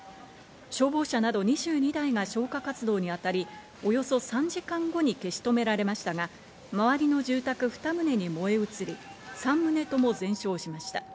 消防車など２２台が消火活動にあたり、およそ３時間後に消し止められましたが、周りの住宅２棟に燃え移り３棟とも全焼しました。